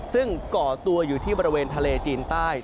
ซึ่งก่อตัวอยู่ที่บริเวณทะเลจีนใต้